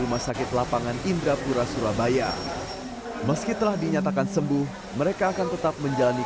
rumah sakit lapangan indrapura surabaya meski telah dinyatakan sembuh mereka akan tetap menjalani